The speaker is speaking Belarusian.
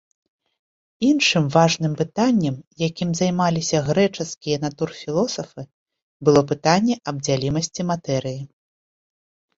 Іншым важным пытаннем, якім займаліся грэчаскія натурфілосафы, было пытанне аб дзялімасці матэрыі.